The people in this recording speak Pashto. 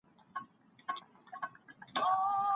خاوند او ميرمن بې درناوي ښه ژوند نسي کولای.